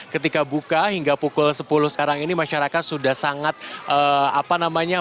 ketika buka hingga pukul sepuluh sekarang ini masyarakat sudah sangat apa namanya